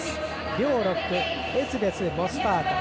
両ロック、エツベス、モスタート。